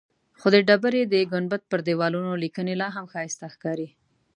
خو د ډبرې د ګنبد پر دیوالونو لیکنې لاهم ښایسته ښکاري.